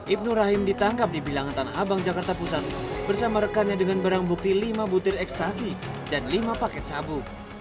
ibnur rahim ditangkap di bilangan tanah abang jakarta pusat bersama rekannya dengan barang bukti lima butir ekstasi dan lima paket sabu